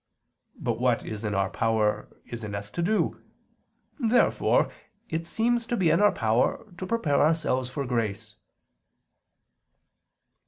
But what is in our power is in us to do. Therefore it seems to be in our power to prepare ourselves for grace.